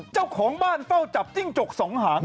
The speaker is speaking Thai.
เจ้าของบ้านเฝ้าจับจิ้งจกสองหาง